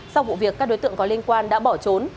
sau vụ việc các đối tượng có liên quan đã bỏ trốn